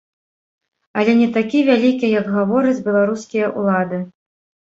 Але не такі вялікі, як гавораць беларускія ўлады.